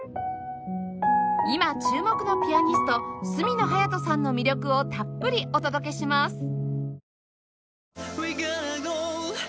今注目のピアニスト角野隼斗さんの魅力をたっぷりお届けします